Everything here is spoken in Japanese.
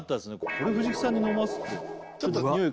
これ藤木さんに飲ますってちょっとニオイ